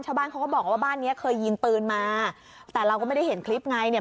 ชาวบ้านเขาก็บอกว่าบ้านเนี้ยเคยยิงปืนมาแต่เราก็ไม่ได้เห็นคลิปไงเนี่ย